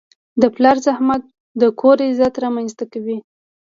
د پلار زحمت د کور عزت رامنځته کوي.